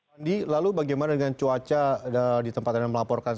andi lalu bagaimana dengan cuaca di tempat anda melaporkan